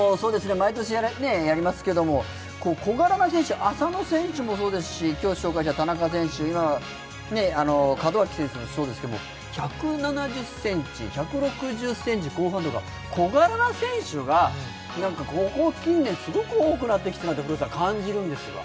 毎年やりますけども、小柄な選手、浅野選手もそうですし、今日紹介した田中選手、今の門脇選手もそうですけど１７０ｃｍ、１６０ｃｍ後半とか小柄な選手がここ近年、すごく多くなってきたなと感じるんですが。